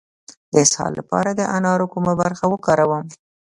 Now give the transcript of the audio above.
د اسهال لپاره د انارو کومه برخه وکاروم؟